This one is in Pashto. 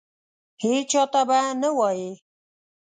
هیچا ته به نه وایې !